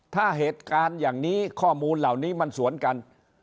ถ้าเหตุการณ์อย่างนี้ข้อมูลเหล่านี้มันสวนกัน